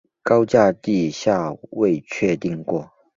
高架地下未确定过。